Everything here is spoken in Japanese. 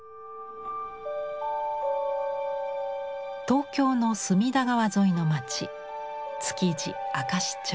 東京の隅田川沿いの街築地明石町。